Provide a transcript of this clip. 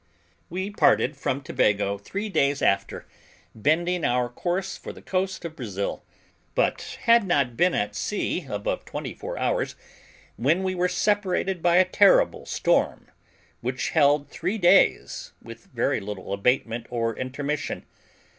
We parted from Tobago three days after, bending our course for the coast of Brazil, but had not been at sea above twenty four hours, when we were separated by a terrible storm, which held three days, with very little abatement or intermission.